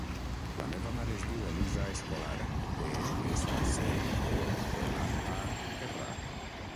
La meva mare es diu Elisa Escolar: e, essa, ce, o, ela, a, erra.